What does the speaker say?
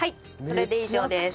それで以上です。